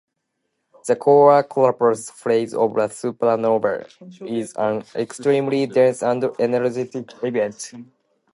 The core collapse phase of a supernova is an extremely dense and energetic event.